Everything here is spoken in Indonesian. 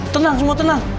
tenang semua tenang